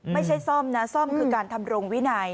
ไม่ใช่ซ่อมนะซ่อมคือการทำรงวินัย